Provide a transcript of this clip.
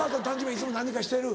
いつも何かしてる？